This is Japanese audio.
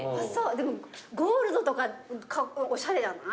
ゴールドとかおしゃれじゃない？